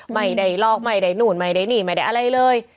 ไม่ได้ลอกไม่ได้นู่นไม่ได้นี่ไม่ได้อะไรเลย